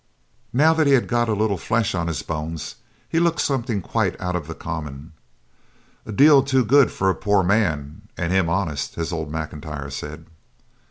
Now that he had got a little flesh on his bones he looked something quite out of the common. 'A deal too good for a poor man, and him honest,' as old M'Intyre said.